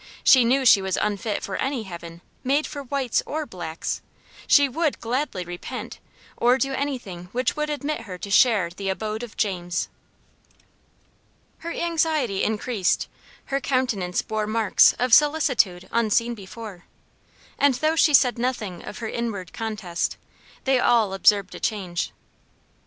She knew she was unfit for any heaven, made for whites or blacks. She would gladly repent, or do anything which would admit her to share the abode of James. Her anxiety increased; her countenance bore marks of solicitude unseen before; and though she said nothing of her inward contest, they all observed a change.